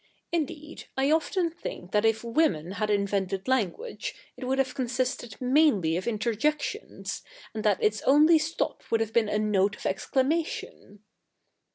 Indeed, I often think that if women had invented lan guage, it would have consisted mainly of interjections, and that its only stop would have been a note of exclamation.'